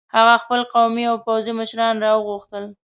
هغه خپل قومي او پوځي مشران را وغوښتل.